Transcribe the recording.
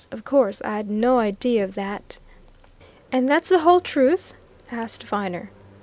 of course, I'd no idea of that!" "And that's the whole truth?" asked Viner.